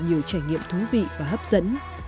nhiều trải nghiệm thú vị và hấp dẫn